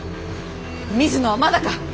水野はまだか。